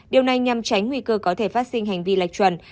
điều này nhằm tránh nguy cơ có thể phát sinh hành vi lệch chuẩn